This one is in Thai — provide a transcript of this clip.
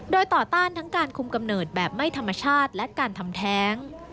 โดยต่อต้านทั้งการคุมกำเนิดแบบไม่ธรรมชาติและการทำแท้ง